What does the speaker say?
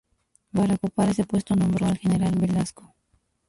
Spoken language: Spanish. Para ocupar ese puesto nombró al general Velazco.